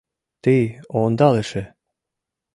“Тый - ондалыше!